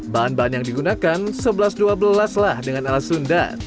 bahan bahan yang digunakan sebelas dua belas lah dengan ala sunda